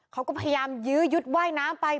เขาก็พยายามยื้อยุดว่ายน้ำไป